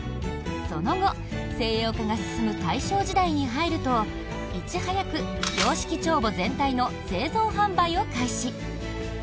その後、西洋化が進む大正時代に入るといち早く洋式帳簿全体の製造販売を開始。